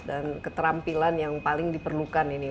dan keterampilan yang paling diperlukan ini